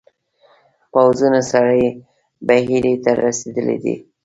پوځونه سرې بحیرې ته رسېدلي دي.